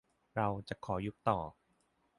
เรา จะขอยุบต่อ